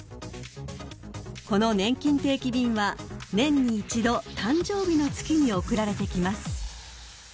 ［このねんきん定期便は年に一度誕生日の月に送られてきます］